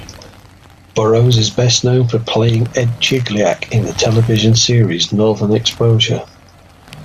Burrows is best known for playing Ed Chigliak in the television series "Northern Exposure".